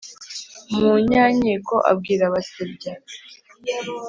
munyankiko abwira basebya